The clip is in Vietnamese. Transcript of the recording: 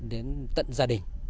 đến tận gia đình